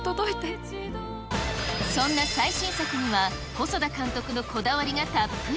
そんな最新作には、細田監督のこだわりがたっぷり。